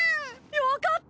よかった。